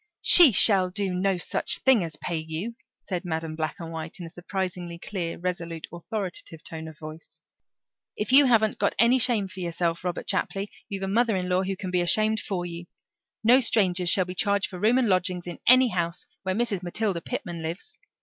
"She shall do no such thing as pay you," said Madam Black and White in a surprisingly clear, resolute, authoritative tone of voice. "If you haven't got any shame for yourself, Robert Chapley, you've got a mother in law who can be ashamed for you. No strangers shall be charged for room and lodging in any house where Mrs. Matilda Pitman lives.